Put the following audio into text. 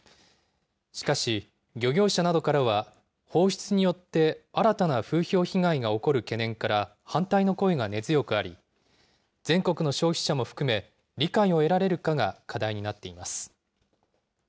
しかし、漁業者などからは、放出によって新たな風評被害が起こる懸念から、反対の声が根強くあり、全国の消費者も含め、理解を得られるかが課題になっています。